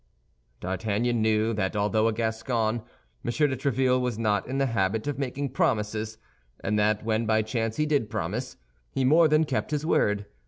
D'Artagnan knew that, although a Gascon, M. de Tréville was not in the habit of making promises, and that when by chance he did promise, he more than kept his word.